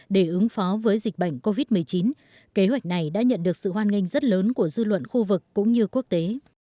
để ứng phó với dịch bệnh covid một mươi chín kế hoạch này đã nhận được sự hoan nghênh rất lớn của dư luận khu vực cũng như quốc tế